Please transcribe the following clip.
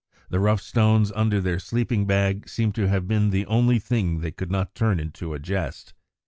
The rough stones under their sleeping bag seem to have been the only thing they could not turn into a jest.